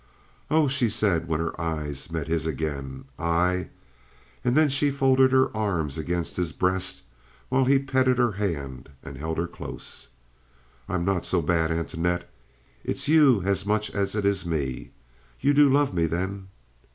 "Oh," she said, when her eyes met his again, "I—" And then she folded her arms against his breast while he petted her hand and held her close. "I'm not so bad, Antoinette. It's you as much as it is me. You do love me, then?"